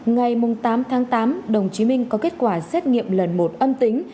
ngày tám tháng tám đồng chí minh có kết quả xét nghiệm lần một âm tính